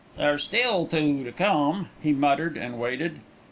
"There's two still to come," he muttered, and waited.